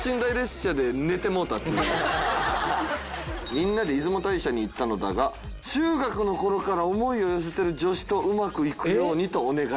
みんなで出雲大社に行ったのだが中学のころから思いを寄せてる女子とうまくいくようにとお願いをしていた。